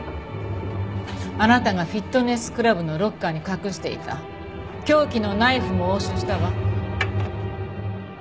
あなたがフィットネスクラブのロッカーに隠していた凶器のナイフも押収したわ。